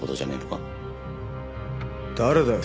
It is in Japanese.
誰だよ？